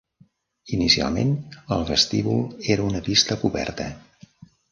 Inicialment, el vestíbul era una pista coberta.